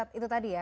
ustadz itu tadi ya